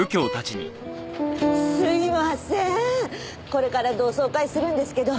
これから同窓会するんですけど